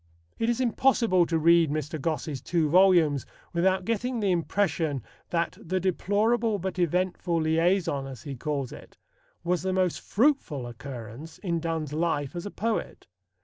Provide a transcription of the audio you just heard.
It is impossible to read Mr. Gosse's two volumes without getting the impression that "the deplorable but eventful liaison," as he calls it, was the most fruitful occurrence in Donne's life as a poet.